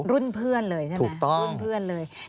รุ่นเพื่อนเลยใช่ไหม